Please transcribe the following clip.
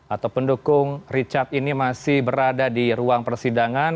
atau pendukung richard ini masih berada di ruang persidangan